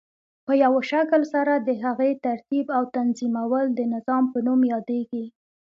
په یوه شکل سره د هغی ترتیب او تنظیمول د نظام په نوم یادیږی.